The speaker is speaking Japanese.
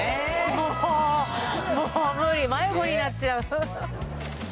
もうもう無理迷子になっちゃうすげえ